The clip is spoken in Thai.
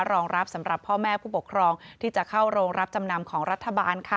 รองรับสำหรับพ่อแม่ผู้ปกครองที่จะเข้าโรงรับจำนำของรัฐบาลค่ะ